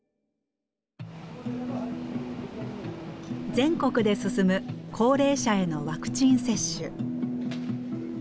全国で進む高齢者へのワクチン接種。